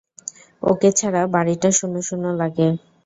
ওকে ছাড়া বাড়িটা শুণ্য শুণ্য লাগে।